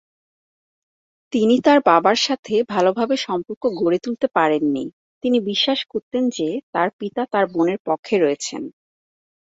তিনি তার বাবার সাথে ভালভাবে সম্পর্ক গড়ে তুলতে পারেননি, তিনি বিশ্বাস করতেন যে তার পিতা তার বোনের পক্ষে রয়েছেন।